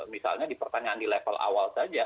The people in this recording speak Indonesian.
misalnya di pertanyaan di level awal saja